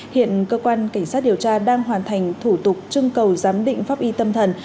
hiện cơ quan cảnh sát điều tra đang hoàn thành thủ tục trưng cầu giám định pháp y tâm thần